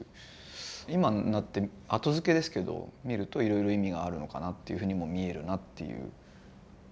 今になって後付けですけどみるといろいろ意味があるのかなっていうふうにも見えるなっていう。